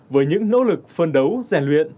với những nỗ lực phân đấu giàn luyện